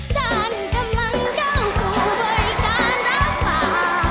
ฉันกำลังเข้าสู่บริการรักษา